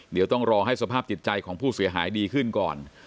เดี๋ยวต้องรอให้สภาพจิตใจของผู้เสียหายดีขึ้นก่อน